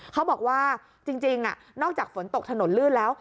เขาบอกว่าจริงนอกจากฝนตกถนนลื่นแล้ว